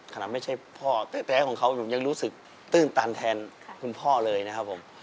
ไม่ใช่พ่อแท้ของเขาผมยังรู้สึกตื้นตันแทนคุณพ่อเลยนะครับผม